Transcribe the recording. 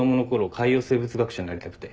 海洋生物学者になりたくて。